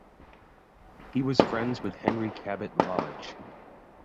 He was friends with Henry Cabot Lodge.